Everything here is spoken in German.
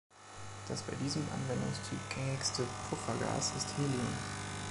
Das bei diesem Anwendungstyp gängigste Puffergas ist Helium.